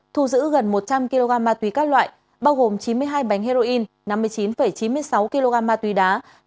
thu giữ gần một trăm linh kg ma túy các loại bao gồm chín mươi hai bánh heroin năm mươi chín chín mươi sáu kg ma túy đá